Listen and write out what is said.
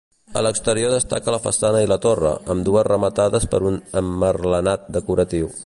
A l'exterior destaca la façana i la torre, ambdues rematades per un emmerletat decoratiu.